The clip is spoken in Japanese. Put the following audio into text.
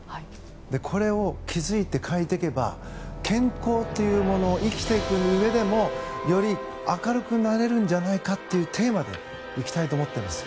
これを気付いて変えていけば健康っていうもの生きていくうえでもより明るくなれるんじゃないかというテーマで行きたいと思っています。